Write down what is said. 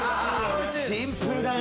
シンプルだね。